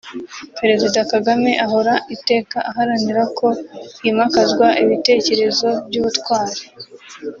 Perezida Kagame ahora iteka aharanira ko himakazwa ibitekerezo by’ubutwari